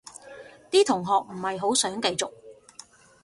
啲同學唔係好想繼續